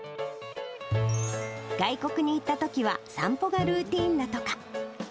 外国に行ったときは、散歩がルーティンだとか。